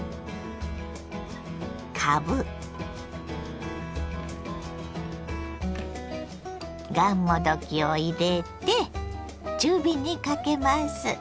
かぶがんもどきを入れて中火にかけます。